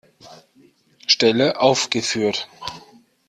Stelle aufgeführt.